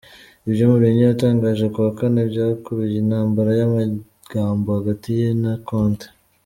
Ibyo Mourinho yatangaje kuwa Kane byakuruye intambara y’amagambo hagati ye na Conte